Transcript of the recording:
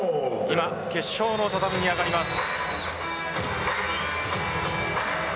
今、決勝の畳に上がります。